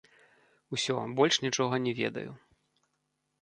Усё, больш нічога не ведаю.